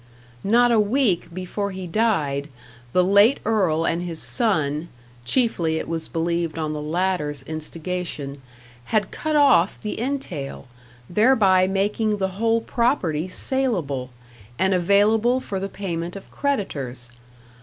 Not a week before he died, the late earl and his son chiefly it was believed on the latter's instigation had cut off the entail, thereby making the whole property saleable, and available for the payment of creditors.